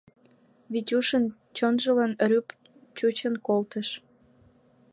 Витюшын чонжылан рӱп чучын колтыш.